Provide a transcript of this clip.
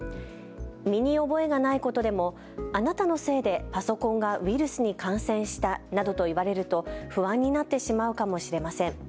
身に覚えがないことでもあなたのせいでパソコンがウイルスに感染したなどと言われると、不安になってしまうかもしれません。